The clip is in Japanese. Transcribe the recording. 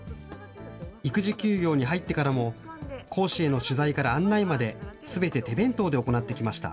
育児休業に入ってからも、講師への取材から案内まで、すべて手弁当で行ってきました。